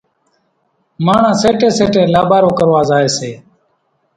ماڻۿان سيٽيَ سيٽيَ لاٻارو ڪروا زائيَ سي۔